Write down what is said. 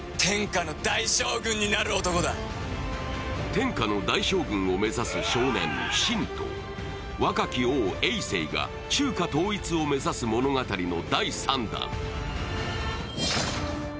天下の大将軍を目指す少年・信と若き王・えい政が中華統一を目指す物語の第３弾。